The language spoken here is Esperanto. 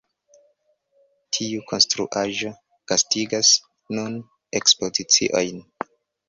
Tiu konstruaĵo gastigas nun ekspoziciojn.